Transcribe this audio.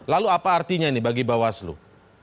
lalu apa artinya ini bagi bawaslu